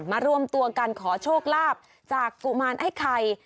มารวมตัวกันขอโชคลาภจากกุมารไอ้ไข่